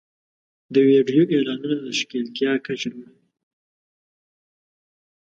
د ویډیو اعلانونه د ښکېلتیا کچه لوړوي.